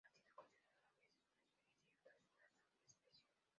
Ha sido considerada, a veces una especie y otras una subespecie.